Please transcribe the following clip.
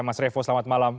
mas revo selamat malam